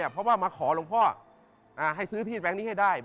เพราะว่ามาขอหลวงพ่อให้ซื้อที่แบงค์นี้ให้ได้